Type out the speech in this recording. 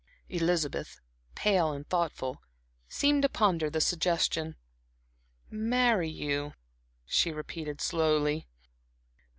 Elizabeth, pale and thoughtful, seemed to ponder the suggestion. "Marry you," she repeated, slowly.